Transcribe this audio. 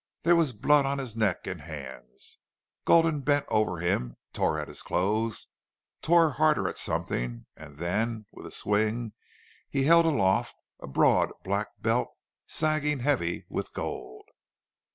There was blood on his neck and hands. Gulden bent over him, tore at his clothes, tore harder at something, and then, with a swing, he held aloft a broad, black belt, sagging heavy with gold.